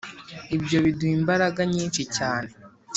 ibyo biduha imbaraga nyinshi cyane